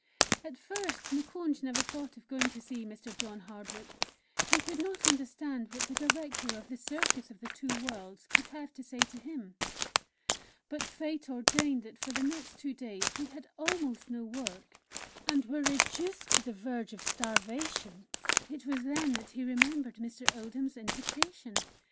At first Moukounj never thought of going to see Mr. John Hardwick. He could not understand what the Director of the "Circus of the Two Worlds" could have to say to him. But fate ordained that for the next two days we had almost no work, and were reduced to the verge of starvation. It was then that he remembered Mr. Oldham's invitation.